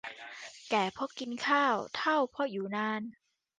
แก่เพราะกินข้าว เฒ่าเพราะอยู่นาน